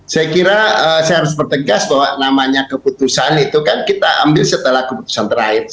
saya kira saya harus bertegas bahwa namanya keputusan itu kan kita ambil setelah keputusan terakhir